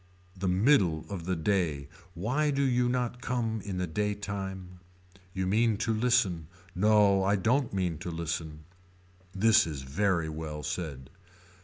The middle of the day. Why do you not come in the day time. You mean to listen. No I don't mean to listen. This is very well said.